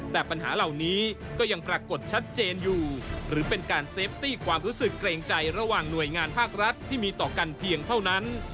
แต่ปัญหาเหล่านี้ก็ยังปรากฏชัดเจนอยู่หรือเป็นการเซฟตี้ความรู้สึกเกรงใจระหว่างหน่วยงานภาครัฐที่มีต่อกันเพียงเท่านั้น